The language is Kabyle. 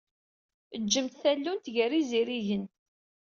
Ǧǧemt tallunt gar yizirigen.